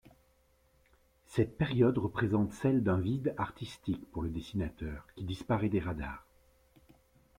Cette période représente celle d'un vide artistique pour le dessinateur qui disparaît des radars.